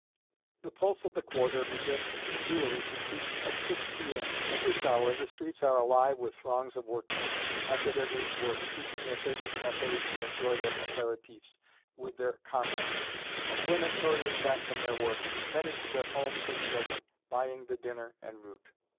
The pulse of the Quarter begins really to beat at 6 P.M. At this hour the streets are alive with throngs of workmen after their day's work, seeking their favorite cafés to enjoy their apéritifs with their comrades and women hurrying back from their work, many to their homes and children, buying the dinner en route.